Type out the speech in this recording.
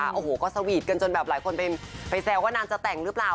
อ้าโหก็สวีทจนกันมากแบบหลายคนไปแซวว่าน่านจะแต่งรึเปล่า